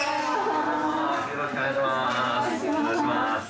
よろしくお願いします。